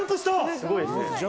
すごいですね。